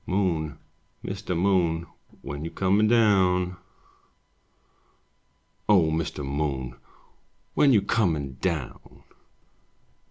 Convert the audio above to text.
Moon, Mr. Moon, When you comin' down? O Mr. Moon, When you comin* down?